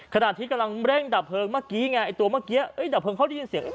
ขณะที่กำลังเร่งดับเพลิงเมื่อกี้ไงไอ้ตัวเมื่อกี้เอ้ยดับเพลิงเขาได้ยินเสียง